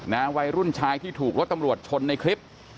วัยรุ่นชายที่ถูกรถตำรวจชนในคลิป